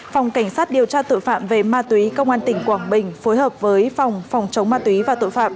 phòng cảnh sát điều tra tội phạm về ma túy công an tỉnh quảng bình phối hợp với phòng phòng chống ma túy và tội phạm